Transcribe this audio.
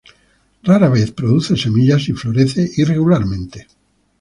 Rara vez produce semillas y florece irregularmente.